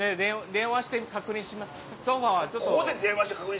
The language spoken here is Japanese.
電話して確認します。